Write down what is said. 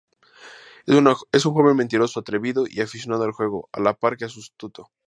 Es un joven mentiroso, atrevido y aficionado al juego, a la par que astuto.